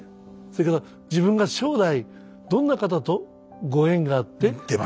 それから「自分が将来どんな方とご縁があって結婚するか」。